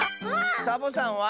サボさんは？